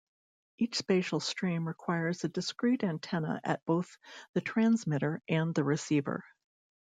Each spatial stream requires a discrete antenna at both the transmitter and the receiver.